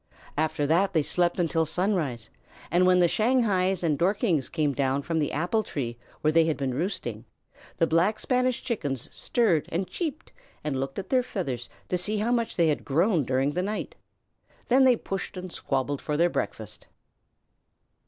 After that they slept until sunrise, and when the Shanghais and Dorkings came down from the apple tree where they had been roosting, the Black Spanish Chickens stirred and cheeped, and looked at their feathers to see how much they had grown during the night. Then they pushed and squabbled for their breakfast.